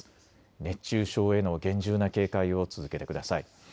熱中症への厳重な警戒を続けてください。